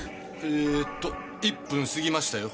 えーと１分過ぎましたよ。